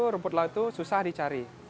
rumput laut itu susah dicari